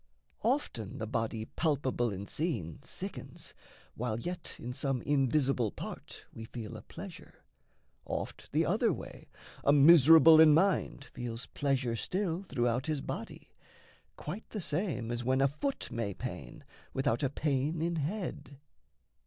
Often the body palpable and seen Sickens, while yet in some invisible part We feel a pleasure; oft the other way, A miserable in mind feels pleasure still Throughout his body quite the same as when A foot may pain without a pain in head.